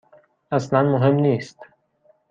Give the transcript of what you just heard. اصلا مهم نیست.